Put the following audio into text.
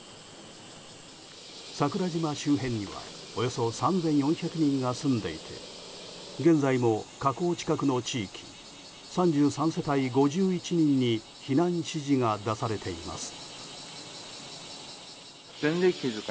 桜島周辺にはおよそ３４００人が住んでいて現在も火口近くの地域３３世帯５１人に避難指示が出されています。